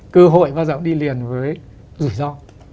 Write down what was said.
cơ hội bao giờ đi liền với rủi ro